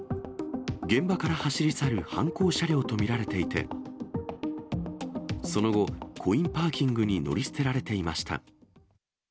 現場から走り去る犯行車両と見られていて、その後、コインパーキングに乗り捨てられていました。